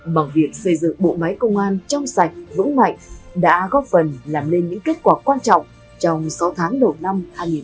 bằng việc xây dựng bộ máy công an trong sạch vững mạnh đã góp phần làm nên những kết quả quan trọng trong sáu tháng đầu năm hai nghìn hai mươi ba